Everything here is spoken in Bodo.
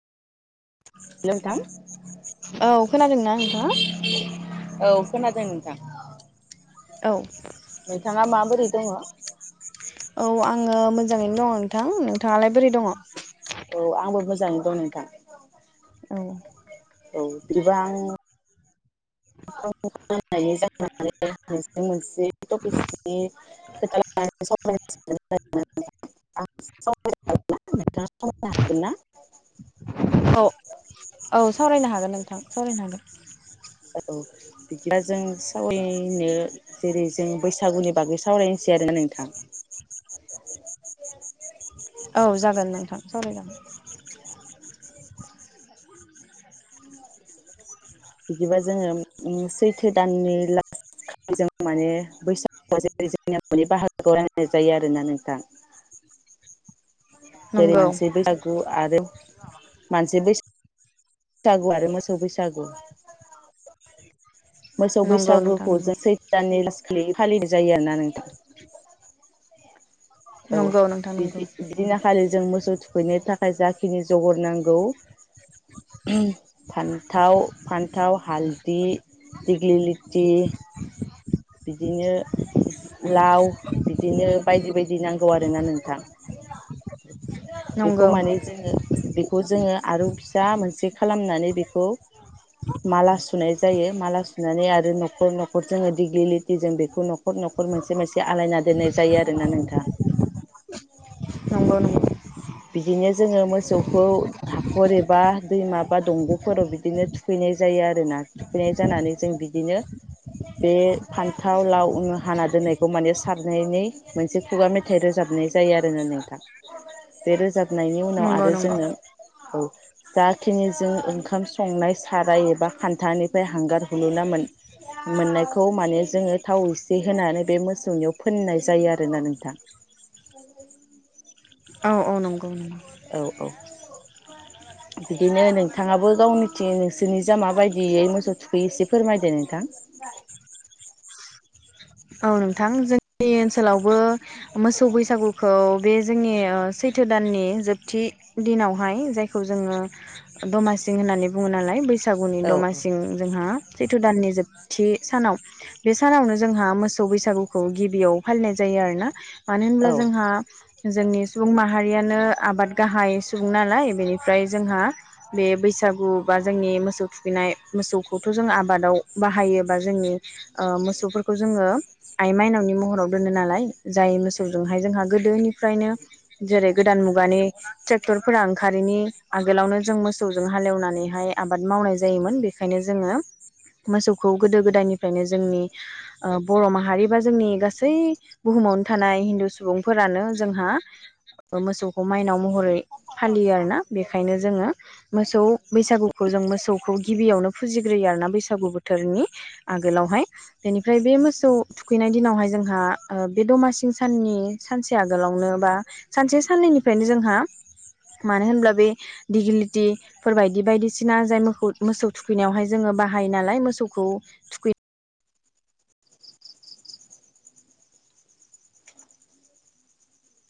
हेल' नोंथां औ खोनादों ना नोंथाङा? औ खोनादों नोंथां। औ। नोंथाङा माबोरै दङ'। औ आङो मोजाङैनो दङ' नोंथां। नोंथाङालाय बोरै दङ'? औ आंबो मोजाङै दं नोंथां। औ। औ बिदिबा आं [unintelligible] औ औ सावरायनो हागोन नोंथां सावरायनो हागोन। औ बिदिबा जों सावरायनो जेरै जों बैसागुनि बागै सावरायनोसै आरोना नोंथां। औ जागोन नोंथां सावरायजागोन। बिदिबा जोङो ओम सैथो दाननि लास खालि जों माने बैसागु जेरै जोंनियाव आंगुनि बाहागोखौ रायनाय जायो आरोना नोंथां। जेरै नंगौ मानसै बैसागु। आरो मानसि बैस सागु आरो मोसौ बैसागु। मोसौ नंगौ नोंथां बैसागोखौ नंगौ जों सैथ्रो दाननि लास फालि फालिनाय जायो आरोना नोंथां। औ नंगौ नोंथां नंगौ बिदि बिदिना खालि जों मोसौ थुख थुखैनो थाखाय जाखिनि जगर नांगौ [unintelligible] फान्थाव फान्थाव हालदि दिग्लिलिटि बिदिनो लाव बिदिनो बायदि बायदि नांगौ आरोना नोंथां। बेखौ नंगौ माने जोङो बे खौ जोङो आरुं फिसा मोनसे खालामनानै बेखौ माला सुनाय जायो माला सुनानै आरो न'खर न'खर जोङो दिग्लिलिटिजों बेखौ न'खर न'खर मोनसे मोनसे आलायना दोननाय जायो आरोना नोंथां। नंगौ औ नंगौ बिदिनो जोङो मोसौखौ हाखर एबा दैमा बा दंग'फोराव बिदिनो थुखैनाय जायो आरोना थुखैनाय जानानै जों बिदिनो बे फान्थाव लाव उनु हाना दोननायखौ माने सारनायनै मोनसे खुगा मेथाइ रोजाबनाय जायो आरोना नोंथां। बे रोजाब खांनायनि उनाव नंगौ आरो नंगौ जोङो औ जाखिनि जों ओंखाम संनाय साराय एबा खान्थानिफ्राय हांगार हुलुना मोन-मोननायखौ खौ माने जोङो थाव इसे होनानै बे मोसौनियाव फोननाय जायो आरोना नोंथां। औ औ नंगौ नंगौ। औ औ बिदिनो नोंथाङाबो गावनिथिं नोंसोरनिजां माबायदियै मोसौ थुखैयो एसे फोरमायदो नोंथां। औ नोंथां जोंनि ओनसोलावबो मोसौ बैसागुखौ बे जोंनि ओ सैथो दाननि जोबथि दिनावहाय जायखौ जोङो दमासि होननानै बुङो नालाय बैसाग सागुनि औ दमासिं जोंहा सैथ्र' दाननि जोबथि सानाव बे सानावनो जोंहा मोसौ मोसौ बैसागुखौ गिबियाव फालिनाय जायो आरो ना । मानो होनब्ला औ जोंहा जोंनि सुबुं माहारियानो आबाद गाहाय सुबुं नालाय बेनिफ्राय जोंहा बे बैसागु बा जोंनि मोसौ थुखैनाय मोसौखौथ' जों आबादाव बाहायोबा जोंनि ओ मोसौफोरखौ जोङो आइ माइनावनि महराव दोनो नालाय जाय मोसौजोंहाय जोंहा गोदोनि फ्रायनो जेरै गोदान मुगानि ट्रेक्टरफोरा ओंखारैनि आगोलावनो जों मोसौजों हालेवनानैहाय आबाद मावनाय जायोमोन बेखायनो जोङो मोसौखौ गोदो गोदायनिफ्रायनो जोंनि ओ बर' माहारि बा जोंनि गासै बुहुमावनो थानाय हिन्दु सुबुंफोरानो जोंहा ओ मोसौखौ माइनाव महरै फालियो आरोना बेखायनो जोङो मोसौ बैसागुखौ जों मोसौखौ गिबियावनो फुजिग्रोयो आरोना बैसागु बोथोरनि आगोलावहाय बेनिफ्राय बे मोसौ सौखौ थुखैनाय दिनावहाय जोंहा ओं बे दमासि साननि सानसे आगोलावनो बा सानसे साननैनिफ्रायनो जोंहा मानो होनब्ला बे दिगिलिटि फोर बायदि बायदिसिना जाय मोखौ मोसौ थुखैनायावहाय जोङो बाहायो नालाय मोसौखौ थुखै